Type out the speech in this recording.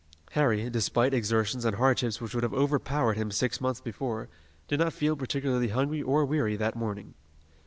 Harry, despite exertions and hardships which would have overpowered him six months before, did not feel particularly hungry or weary that morning.